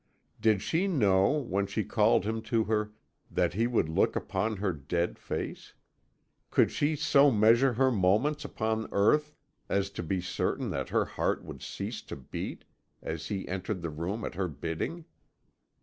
"Did she know, when she called him to her, that he would look upon her dead face? Could she so measure her moments upon earth as to be certain that her heart would cease to beat as he entered the room at her bidding?